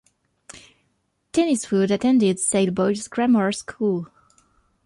Tinniswood attended Sale Boys' Grammar School.